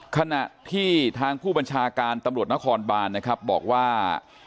ขณะที่ทางผู้บัญชาการตำรวจนครบานนะครับบอกว่า